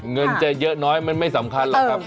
เงินจะเยอะน้อยมันไม่สำคัญหรอกครับ